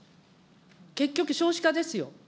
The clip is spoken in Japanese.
結局、少子化ですよ。